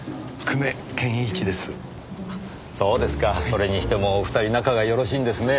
それにしてもお二人仲がよろしいんですね。